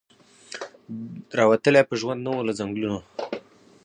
را وتلی په ژوند نه وو له ځنګلونو